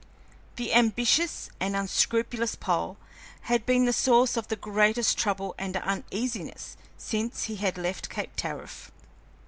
The ambitious and unscrupulous Pole had been the source of the greatest trouble and uneasiness since he had left Cape Tariff.